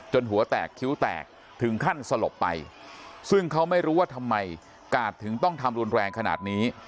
หัวแตกคิ้วแตกถึงขั้นสลบไปซึ่งเขาไม่รู้ว่าทำไมกาดถึงต้องทำรุนแรงขนาดนี้